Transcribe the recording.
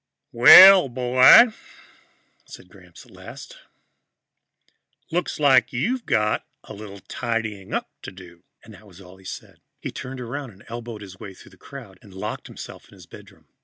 "Well, boy," said Gramps at last, "looks like you've got a little tidying up to do." And that was all he said. He turned around, elbowed his way through the crowd and locked himself in his bedroom.